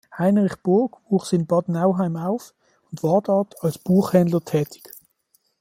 Heinrich Burk wuchs in Bad Nauheim auf und war dort als Buchhändler tätig.